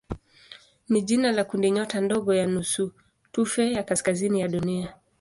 ni jina la kundinyota ndogo ya nusutufe ya kaskazini ya Dunia.